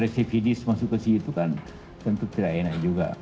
resifidis masuk ke situ kan tentu tidak enak juga